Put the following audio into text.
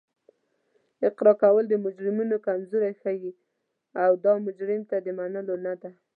اقرار کول د مجرمینو کمزوري ښیي او دا مجرم ته د منلو نه ده